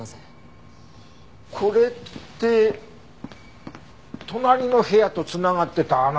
これって隣の部屋と繋がってた穴でしょ？